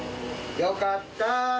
よかった。